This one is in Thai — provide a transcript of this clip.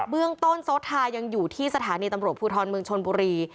เรื่องต้นโซทายังอยู่ที่สถานีตำรวจภูทรเมืองชนบุรี